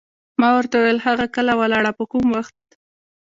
ما ورته وویل: هغه کله ولاړه، په کوم وخت؟